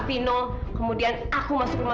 sering remained sih kalau kamu bisa dengar itu